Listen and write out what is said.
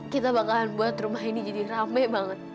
kita bakalan buat rumah ini jadi rame banget